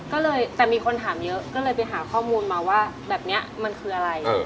ก็เลยแต่มีคนถามเยอะก็เลยไปหาข้อมูลมาว่าแบบนี้มันคืออะไร